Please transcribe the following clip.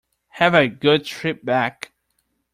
Have a good trip back.